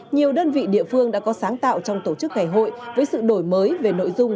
nhiều đơn vị địa phương đã có sáng tạo trong tổ chức ngày hội với sự đổi mới về nội dung